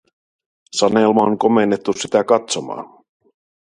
Sanelma on komennettu sitä katsomaan.